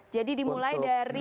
jadi dimulai dari